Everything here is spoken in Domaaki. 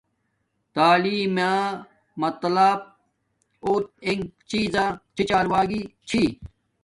تعیلم میے مطلب اور انگ چیز چھی چال و گی چھی